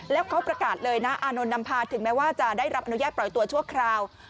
แล้วเขาประกาศเลยนะอานนท์นำพาถึงแม้ว่าจะได้รับอนุญาตปล่อยตัวชั่วคราว